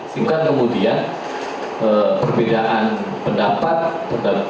sehingga kemudian perbedaan pendapat